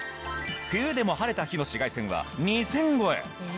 冬でも晴れた日の紫外線は２０００超え。